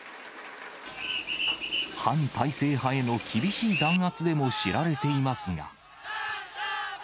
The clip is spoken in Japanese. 反体制派への厳しい弾圧でも知られていますが。